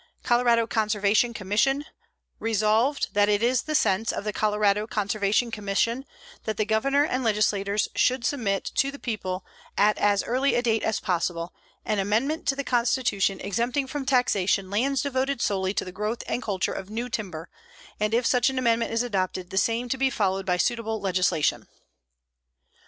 COLORADO CONSERVATION COMMISSION: Resolved, That it is the sense of the Colorado Conservation Commission that the governor and legislators should submit to the people at as early a date as possible an amendment to the constitution, exempting from taxation lands devoted solely to the growth and culture of new timber, and if such amendment is adopted, the same to be followed by suitable legislation.